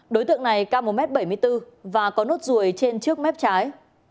đối tượng này cao một m bảy mươi bốn và có nốt ruồi trên trước mép trái